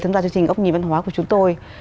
tham gia chương trình ốc nhìn văn hóa của chúng tôi